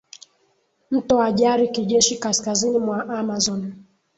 mto wa Jari kijeshi kaskazini mwa Amazon